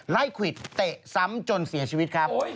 ควิดเตะซ้ำจนเสียชีวิตครับ